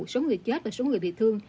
số người chết và số người bị thương